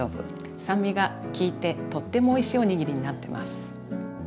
酸味がきいてとってもおいしいおにぎりになってます。